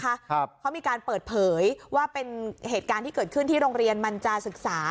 ครับเขามีการเปิดเผยว่าเป็นเหตุการณ์ที่เกิดขึ้นที่โรงเรียนมันจาศึกษา